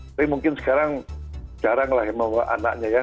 tapi mungkin sekarang jarang lah yang membawa anaknya ya